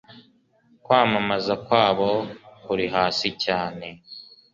Kwamamaza kwabokuri hasi cyane